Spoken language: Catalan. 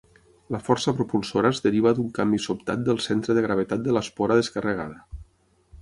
La força propulsora es deriva d'un canvi sobtat del centre de gravetat de l'espora descarregada.